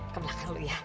ke belakang lu ya